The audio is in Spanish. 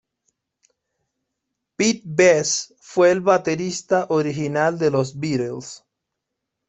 Pete Best fue el baterista original de The Beatles.